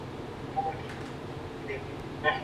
آیا د ناروغ په پوستکي دانې شته؟